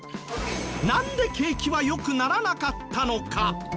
なんで景気は良くならなかったのか？